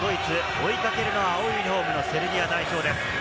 追いかけるのは青いユニホームのセルビア代表です。